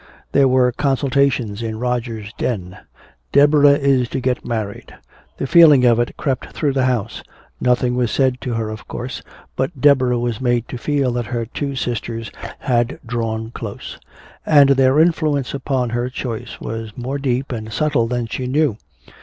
There were consultations in Roger's den. "Deborah is to get married." The feeling of it crept through the house. Nothing was said to her, of course, but Deborah was made to feel that her two sisters had drawn close. And their influence upon her choice was more deep and subtle than she knew.